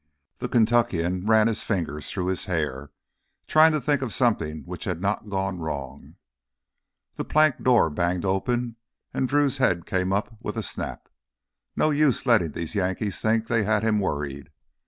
The Kentuckian ran his fingers through his hair, trying to think of something which had not gone wrong. The plank door banged open and Drew's head came up with a snap. No use letting these Yankees think they had him worried.